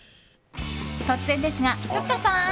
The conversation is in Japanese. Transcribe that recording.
突然ですが、ふっかさん！